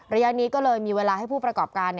ระยะนี้ก็เลยมีเวลาให้ผู้ประกอบการ